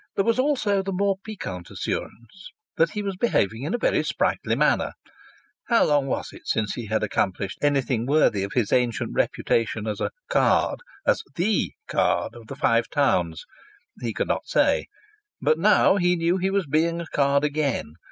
There was also the more piquant assurance that he was behaving in a very sprightly manner. How long was it since he had accomplished anything worthy of his ancient reputation as a "card," as "the" card of the Five Towns? He could not say. But now he knew that he was being a card again.